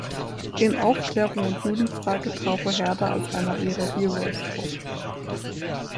In "Aufklärung und Judenfrage" tauche Herder als einer ihrer „Heros“ auf.